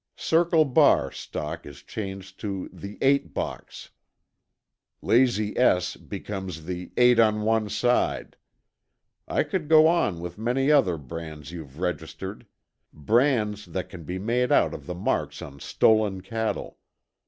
'Circle Bar' stock is changed to the 'Eight Box.' 'Lazy S' becomes the 'Eight on One Side.' I could go on with many other brands you've registered; brands that can be made out of the marks on stolen cattle.